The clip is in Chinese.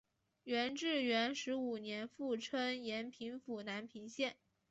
元至元十五年复称延平府南平县。